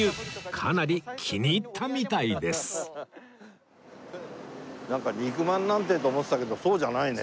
かなり気に入ったみたいですなんか肉まんなんてと思ってたけどそうじゃないね。